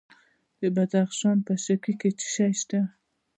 د بدخشان په شکی کې څه شی شته؟